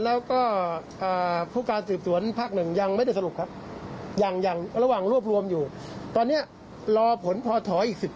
แล้วก็ไม่พบว่ามีการฟันหัดตามที่เป็นข่าวทางโซเชียลก็ไม่พบ